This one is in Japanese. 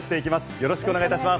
よろしくお願いします